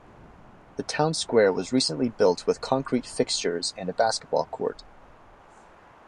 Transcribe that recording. The town square was recently built with concrete fixtures and a basketball court.